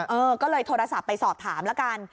เออก็เลยโทรศัพท์ไปสอบถามแล้วกัน